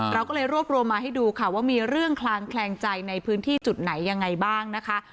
เราก็เลยรวบรวมมาให้ดูค่ะว่ามีเรื่องคลางแคลงใจในพื้นที่จุดไหนยังไงบ้างนะคะ